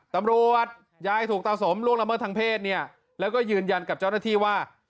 ตำรวจยายถูกตาสมล่วงละเมิดทางเพศเนี่ยแล้วก็ยืนยันกับเจ้าหน้าที่ว่า